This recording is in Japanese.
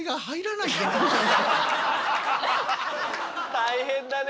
大変だね。